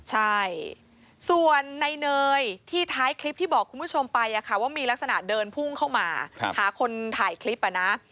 ใช่ส่วนในเนยที่ท้ายคลิปที่บอกคุณผู้ชมไปว่ามีลักษณะเดินพุ่งเข้ามาหาคนถ่ายคลิปอ่ะนะ